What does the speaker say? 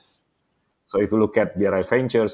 jadi jika anda melihat bri ventures